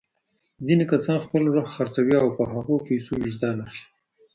ځینې کسان خپل روح خرڅوي او په هغو پیسو وجدان اخلي.